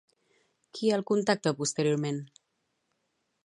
Qui el contacta posteriorment?